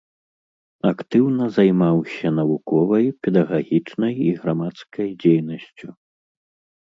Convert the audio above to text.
Актыўна займаўся навуковай, педагагічнай і грамадскай дзейнасцю.